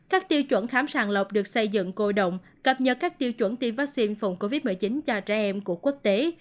các tiêu chuẩn khám sàng lọc được xây dựng cô động cập nhật các tiêu chuẩn tiêm vaccine phòng covid một mươi chín cho trẻ em của quốc tế